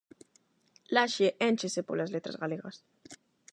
Laxe énchese polas Letras Galegas.